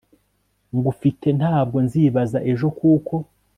ngufite, ntabwo nzibaza ejo kuko